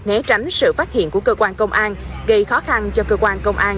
né tránh sự phát hiện của cơ quan công an gây khó khăn cho cơ quan công an